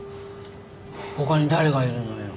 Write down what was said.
他に誰がいるのよ？